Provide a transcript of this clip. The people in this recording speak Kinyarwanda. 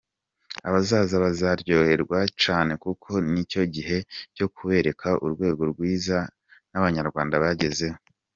Abazaza bazaryoherwa cyane kuko ni cyo gihe cyo kubereka urwego rwiza n’Abanyarwanda bagezeho.